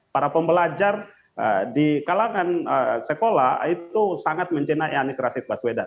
para pembelajar di kalangan sekolah itu sangat mencenai anies rashid baswedan